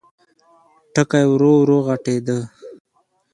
ټکی ورو، ورو غټېده.